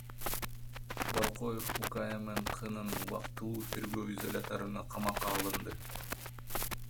Боркоев УКМКнын убактылуу тергөө изоляторуна камакка алынды.